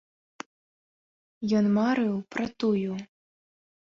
Ён марыў пра тую.